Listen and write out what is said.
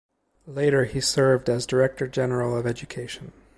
Later he served as Director General of Education.